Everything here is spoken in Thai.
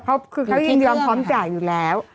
เพราะว่าเขายังยอมพร้อมจ่ายอยู่แล้ว